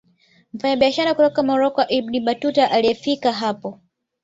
Mfanyabiashara kutoka Morocco Ibn Batuta aliyefika hapo